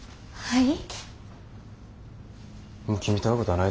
はい。